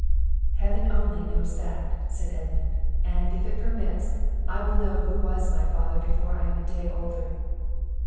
"Heaven only knows that," said Edmund; "and, if it permits, I will know who was my father before I am a day older."